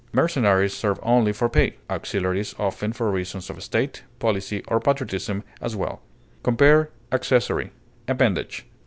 Mercenaries serve only for pay; auxiliaries often for reasons of state, policy, or patriotism as well. Compare ACCESSORY; APPENDAGE.